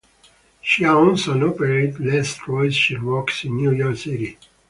She owns and operates Les Trois Chevaux in New York City.